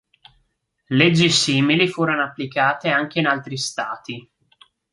Leggi simili furono applicate anche in altri Stati.